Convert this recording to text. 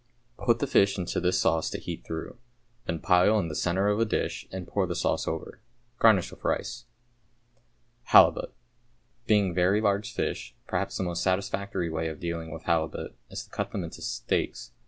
Put the fish into this sauce to heat through, then pile in the centre of a dish and pour the sauce over. Garnish with rice. =Halibut.= Being very large fish, perhaps the most satisfactory way of dealing with halibut is to cut them into steaks, viz.